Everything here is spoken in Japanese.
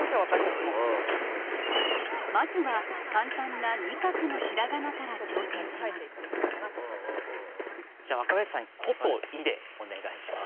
まずは簡単な二画のひらがなから挑戦しますじゃあ若林さん「こ」と「い」でお願いします。